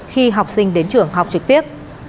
khi học sinh đến trường học trực tiếp